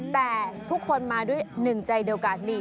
แต่ทุกคนมาด้วยหนึ่งใจเดียวกัน